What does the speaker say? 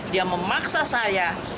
dia memaksa saya